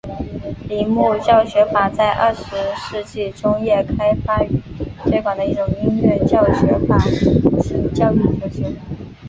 铃木教学法在二十世纪中叶开发与推广的一种音乐教学法及教育哲学。